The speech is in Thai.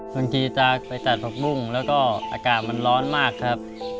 บางทีจะไปตัดผักบุ้งแล้วก็อากาศมันร้อนมากครับ